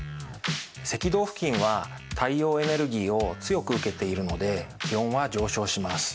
赤道付近は太陽エネルギーを強く受けているので気温は上昇します。